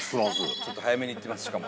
ちょっと早めに行ってます、しかも。